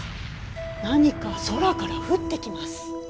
何か空から降ってきます。